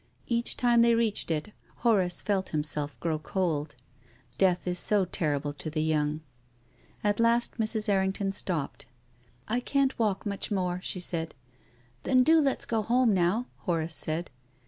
Each time they reached it Horace felt himself grow cold. Death is so terrible to the young. At last Mrs. Errington stopped. " I can't walk much more," she said. " Then do let's go home now," Horace said.